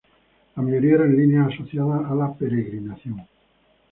La mayoría eran líneas asociadas a la peregrinación.